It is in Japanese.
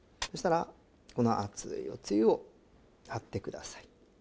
そしたらこの熱いおつゆを張ってください。